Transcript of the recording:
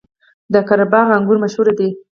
د قره باغ انګور مشهور دي